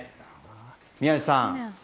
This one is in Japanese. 宮司さん